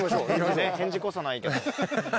返事こそないけど。